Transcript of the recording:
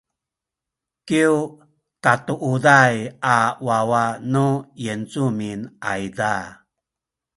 kyu katuuday a wawa nu yincumin ayza